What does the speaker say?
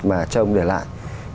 mà cho ông để lại